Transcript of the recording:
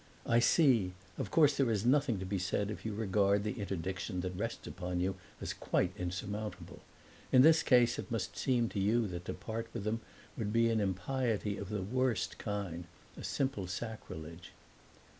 "I see! Of course there is nothing to be said, if you regard the interdiction that rests upon you as quite insurmountable. In this case it must seem to you that to part with them would be an impiety of the worst kind, a simple sacrilege!"